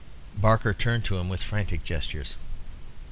Barker turned to him with frantic gestures.